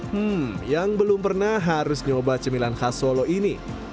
hmm yang belum pernah harus nyoba cemilan khas solo ini